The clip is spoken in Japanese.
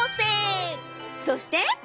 そして。